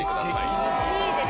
１位です。